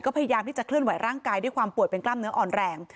พยายามที่จะเคลื่อนไหวร่างกายด้วยความป่วยเป็นกล้ามเนื้ออ่อนแรง